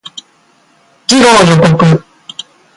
次号予告